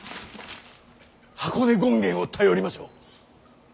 箱根権現を頼りましょう。